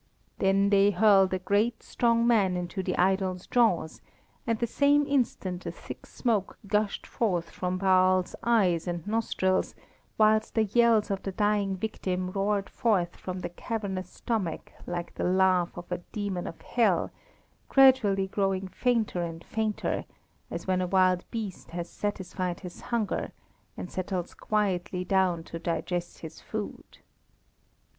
Then they hurled a great, strong man into the idol's jaws, and the same instant a thick smoke gushed forth from Baal's eyes and nostrils, whilst the yells of the dying victim roared forth from the cavernous stomach like the laugh of a demon of hell, gradually growing fainter and fainter, as when a wild beast has satisfied his hunger, and settles quietly down to digest his food.